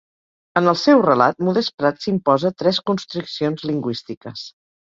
En el seu relat Modest Prats s'imposa tres constriccions lingüístiques.